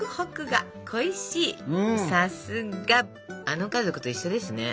あの家族と一緒ですね。